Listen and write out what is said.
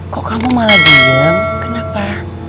kok kamu malah bingung kenapa